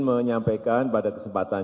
menyampaikan pada kesempatan